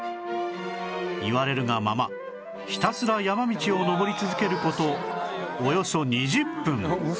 言われるがままひたすら山道を登り続ける事およそ２０分